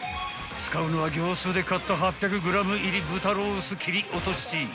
［使うのは業スーで買った８００ｇ入り豚ロース切り落し］